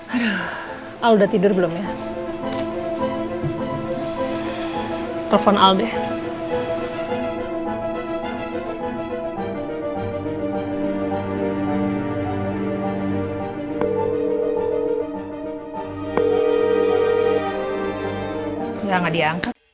aduh al udah tidur belum ya